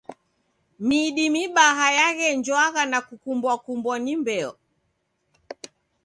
Midi mibaha yaghenjwagha na kukumbwa-kumbwa ni mbeo.